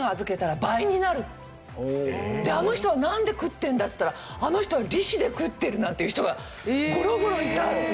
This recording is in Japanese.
であの人はなんで食ってんだっていったらあの人は利子で食ってるなんていう人がゴロゴロいたんですよ。